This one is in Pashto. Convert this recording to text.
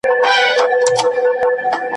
تعبیر مي کړی پر ښه شګون دی `